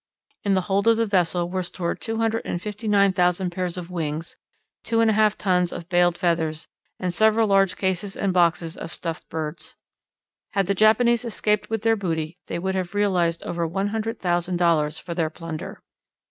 In the hold of the vessel were stored two hundred and fifty nine thousand pairs of wings, two and a half tons of baled feathers, and several large cases and boxes of stuffed birds. Had the Japanese escaped with their booty they would have realized over one hundred thousand dollars for their plunder.